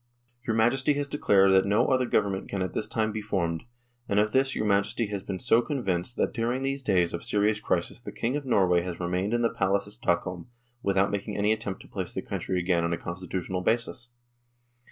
" Your Majesty has declared that no other Govern ment can at this time be formed ; and of this your Majesty has been so convinced that during these days of serious crisis the King of Norway has remained in the Palace at Stockholm without making any attempt to place the country again on a constitu tional basis.